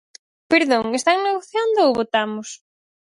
Perdón, ¿están negociando ou votamos?